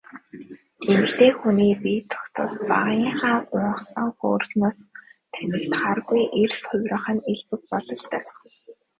Эмэгтэй хүний бие цогцос багынхаа гунхсан хөөрхнөөс танигдахгүй эрс хувирах нь элбэг бололтой.